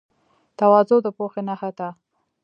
تواضع د پوهې نښه ده.